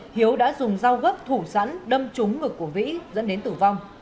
hiếu đã dùng dao gấp thủ sẵn đâm trúng ngực của vĩ dẫn đến tử vong